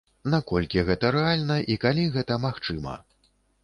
Наколькі гэта рэальна і калі гэта магчыма?